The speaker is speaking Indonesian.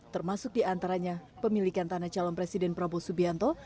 termasuk di antaranya pemilikan tanah calon presiden prabowo subianto